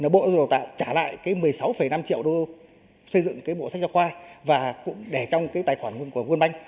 bộ giáo dục và đào tạo trả lại một mươi sáu năm triệu đô xây dựng bộ sách giáo khoa và cũng để trong tài khoản của quân banh